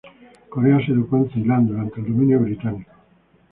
Corea se educó en Ceilán durante el dominio británico.